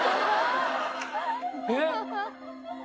えっ？